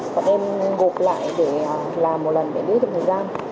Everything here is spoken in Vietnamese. bọn em gục lại để làm một lần để lấy được thời gian